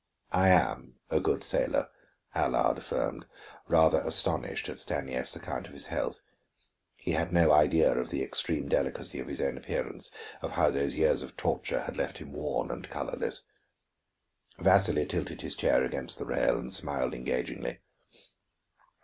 "I am a good sailor," Allard affirmed, rather astonished at Stanief's account of his health. He had no idea of the extreme delicacy of his own appearance, of how those years of torture had left him worn and colorless. Vasili tilted his chair against the rail and smiled engagingly.